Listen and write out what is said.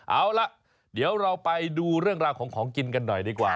เอาล่ะเดี๋ยวเราไปดูเรื่องราวของของกินกันหน่อยดีกว่า